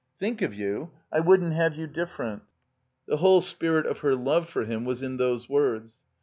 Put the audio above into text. "Think of you? I wouldn't have you different." The whole spirit of her love for him was in those words.